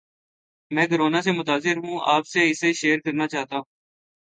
میں کورونا سے متاثر ہوں اپ سے اسے شیئر کرنا چاہتا ہوں